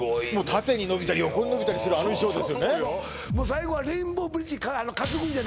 縦に伸びたり横に伸びたりするあの衣装ですよね？